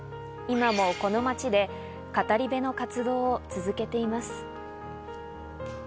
今もこの街で語り部の活動を続けています。